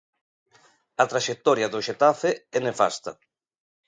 A traxectoria do Xetafe é nefasta.